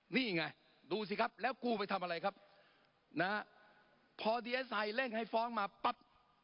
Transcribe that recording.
นี่ไงดูสิครับแล้วกูไปทำอะไรครับนะฮะพอดีเอสไอเร่งให้ฟ้องมาปั๊บ